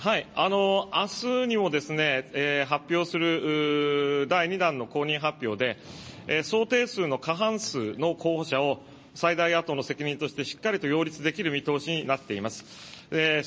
あすにも、発表する第２弾の公認発表で想定数の過半数の候補者を最大野党の責任として、しっかりと擁立できる見通しになっています。